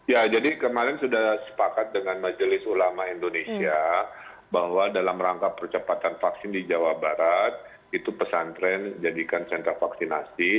ya jadi kemarin sudah sepakat dengan majelis ulama indonesia bahwa dalam rangka percepatan vaksin di jawa barat itu pesantren jadikan sentra vaksinasi